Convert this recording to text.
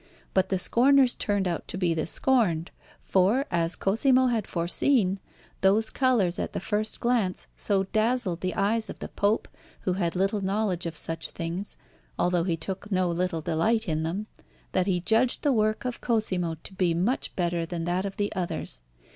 But the scorners turned out to be the scorned, for, as Cosimo had foreseen, those colours at the first glance so dazzled the eyes of the Pope, who had little knowledge of such things, although he took no little delight in them, that he judged the work of Cosimo to be much better than that of the others.